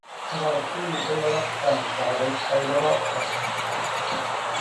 รายชื่อได้รับการจารึกไว้รอบฐาน